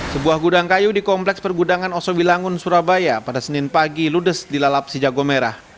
sebuah gudang kayu di kompleks pergudangan osowi langun surabaya pada senin pagi ludes dilalap si jago merah